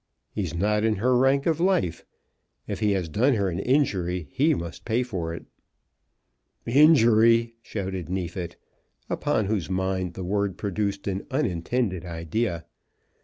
He's not in her rank of life. If he has done her an injury, he must pay for it." "Injury!" shouted Neefit, upon whose mind the word produced an unintended idea.